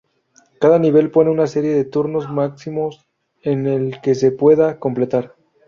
Cada nivel pone una serie de turnos máximos en el que se pueda completar.